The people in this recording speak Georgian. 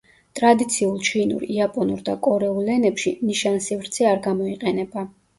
ტრადიციულ ჩინურ, იაპონურ და კორეულ ენებში ნიშანსივრცე არ გამოიყენება.